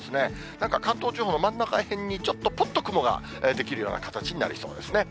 なんか関東地方の真ん中へんにちょっとぽっと雲が出来るような形になりそうですね。